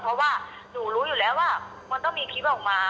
เพราะว่าหนูรู้อยู่แล้วว่ามันต้องมีคลิปออกมา